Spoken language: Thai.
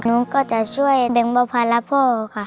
หนูก็จะช่วยแบงบพารพ่อค่ะ